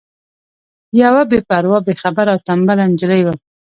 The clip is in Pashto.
یوه بې پروا بې خبره او تنبله نجلۍ وم.